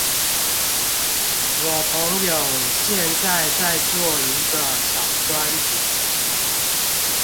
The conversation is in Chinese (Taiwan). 我朋友現在在做一個小專題